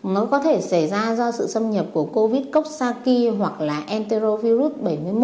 nó có thể xảy ra do sự xâm nhập của covid cóc saki hoặc là enterovirus bảy mươi một